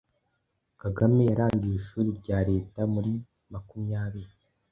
Kagame yarangije ishuri rya Leta muri makumyabiri.